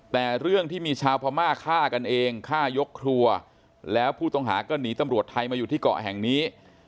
แต่เรื่องที่มีชาวพม่าฆ่ากันเองฆ่ายกครัวแล้วผู้ต้องหาก็หนีตำรวจไทยมาอยู่ที่เกาะแห่งนี้